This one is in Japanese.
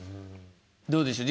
どうでしょう。